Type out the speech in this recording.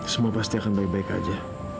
semua pasti akan baik baik aja